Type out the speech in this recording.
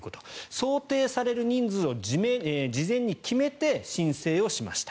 想定される人数を事前に決めて申請をしました。